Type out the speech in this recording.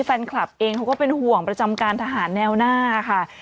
แฟนคลับเองเขาก็เป็นห่วงประจำการทหารแนวหน้าค่ะ